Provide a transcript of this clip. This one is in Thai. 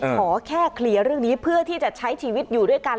ขอแค่เคลียร์เรื่องนี้เพื่อที่จะใช้ชีวิตอยู่ด้วยกัน